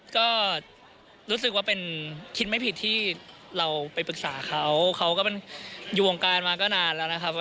ก็รู้สึกว่าเป็นคิดไม่ผิดที่เราไปปรึกษาเขาเขาก็เป็นอยู่วงการมาก็นานแล้วนะครับ